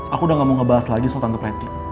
aku udah gak mau ngebahas lagi soal tante